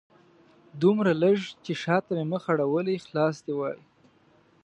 دومره لږ چې شاته مې مخ اړولی خلاص دې وای